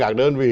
các đơn vị